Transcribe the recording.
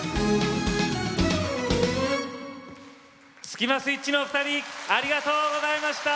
スキマスイッチのお二人ありがとうございました！